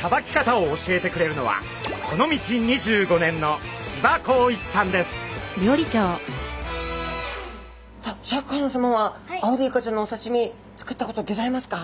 さばき方を教えてくれるのはこの道２５年のさあシャーク香音さまはアオリイカちゃんのおさしみ作ったことギョざいますか？